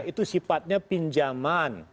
itu sifatnya pinjaman